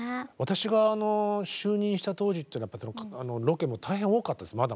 私が就任した当時っていうのはロケも大変多かったです